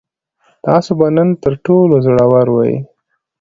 تاسو به نن تر ټولو زړور وئ.